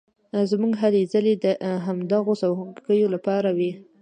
زموږ هلې ځلې د همدغو څوکیو لپاره وې.